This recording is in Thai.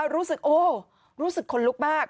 รู้สึกโอ้รู้สึกขนลุกมาก